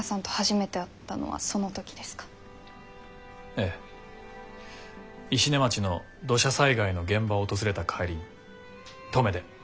ええ石音町の土砂災害の現場を訪れた帰りに登米で。